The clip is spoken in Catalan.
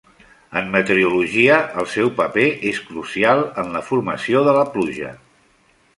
En meteorologia el seu paper és crucial en la formació de la pluja.